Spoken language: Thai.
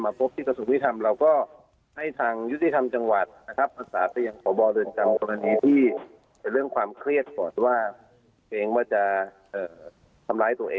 มาพบที่ตระสุนมิถัมศ์แล้วก็ให้ทางยุธิธรรมจังหวัดนะครับ